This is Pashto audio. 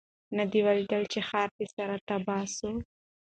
نه دي ولیده چي ښار دي سره تبۍ سو